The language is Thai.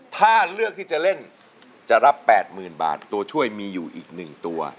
ถ้าเลือกที่จะเล่นจะรับ๘๐๐๐บาทตัวช่วยมีอยู่อีก๑ตัว